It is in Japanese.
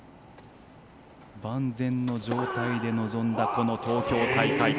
万全の状態で臨んだ東京大会。